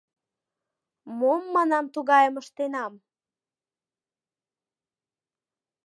Мом, — манам, — тугайым ыштенам?